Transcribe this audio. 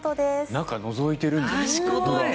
中をのぞいているんですね。